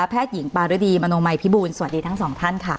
หญิงปารดีมโนมัยพิบูลสวัสดีทั้งสองท่านค่ะ